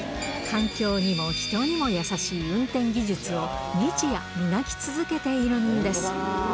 環境にも人にも優しい運転技術を日夜、磨き続けているんです。